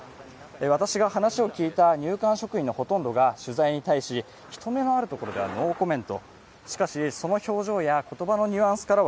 私が話を聞いた入管職員のほとんどが取材に対し人目があるところではノーコメント。